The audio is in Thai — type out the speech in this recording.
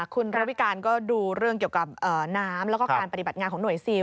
คุณระวิการก็ดูเรื่องเกี่ยวกับน้ำแล้วก็การปฏิบัติงานของหน่วยซิล